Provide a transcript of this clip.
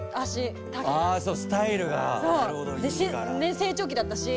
成長期だったし。